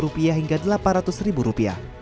yang mengaku juga menyebabkan kegiatan kegiatan kegiatan